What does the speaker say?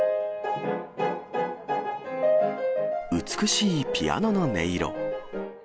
美しいピアノの音色。